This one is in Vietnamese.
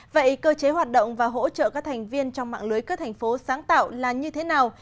vậy cơ chế hoạt động và hỗ trợ các thành viên trong mạng lưới các thành phố sáng tạo là như thế nào